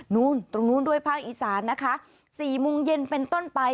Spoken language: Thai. นู้นตรงนู้นด้วยภาคอีสานนะคะ๔โมงเย็นเป็นต้นไป